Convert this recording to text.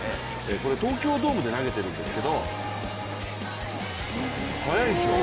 東京ドームで投げているんですけど速いでしょ？